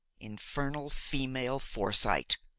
"Infernal female foresight!"